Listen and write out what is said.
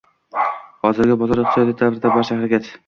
Hozirgi bozor iqtisodiyoti davrida barcha harakat